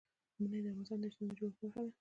منی د افغانستان د اجتماعي جوړښت برخه ده.